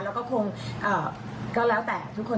แล้วก็คงก็แล้วแต่ทุกคน